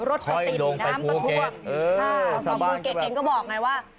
รถติดอยู่น้ำกันทั่วค่ะชาวบ้านก็แบบบูเก็ตเองก็บอกไงว่า